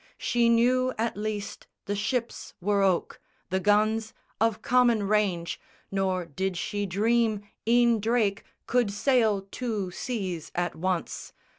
She knew at least the ships were oak, the guns Of common range: nor did she dream e'en Drake Could sail two seas at once.